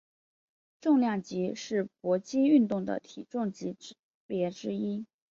重量级是搏击运动的体重级别之一。